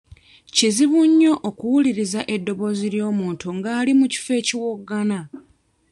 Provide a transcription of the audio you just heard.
Kizibu nnyo okuwuliriza eddoboozi ly'omuntu nga ali mu kifo ekiwoggana.